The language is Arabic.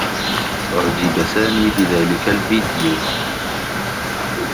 أُعجب سامي بذلك الفيديو.